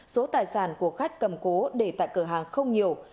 số tài sản của khách cầm cố để tại cửa hàng không nhiều